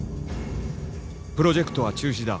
「プロジェクトは中止だ。